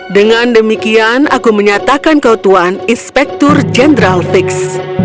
dengan demikian aku menyatakan kau tuan inspektur jendral fiks